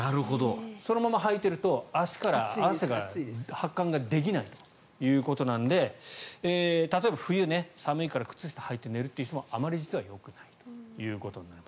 そのままはいてると足から発汗ができないということなので例えば冬、寒いから靴下をはいて寝るという人もあまり実はよくないということになります。